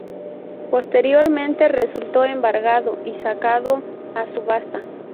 Posteriormente, resultó embargado y sacado a subasta.